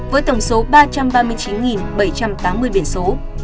với tổng số ba trăm ba mươi chín bảy trăm tám mươi biển số